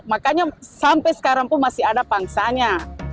makanya sampai sekarang pun masih ada pangsanya